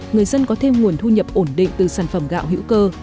người dân có thêm nguồn thu nhập ổn định từ sản phẩm gạo hữu cơ